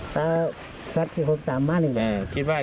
ตาสัตว์คือคนตามมานิดหนึ่ง